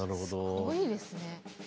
すごいですね。